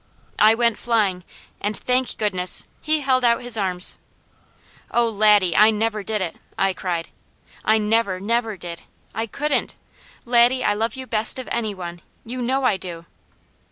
I went flying, and thank goodness! he held out his arms. "Oh Laddie! I never did it!" I cried. "I never, never did! I couldn't! Laddie, I love you best of any one; you know I do!"